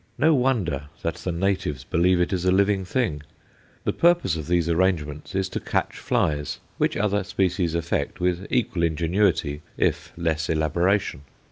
No wonder that the natives believe it a living thing. The purpose of these arrangements is to catch flies, which other species effect with equal ingenuity if less elaboration.